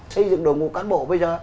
xây dựng đồng hồ cán bộ bây giờ